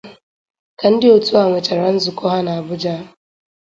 Ka ndị otu a nwechara nzụkọ ha n’Abuja